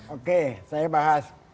oke saya bahas